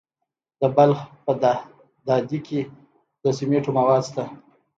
د بلخ په دهدادي کې د سمنټو مواد شته.